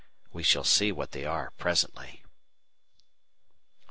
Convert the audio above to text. We shall see what they are presently.